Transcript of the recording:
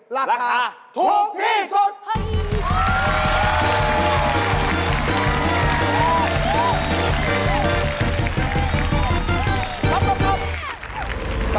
ราคาถูกที่สุดราคาถูกที่สุด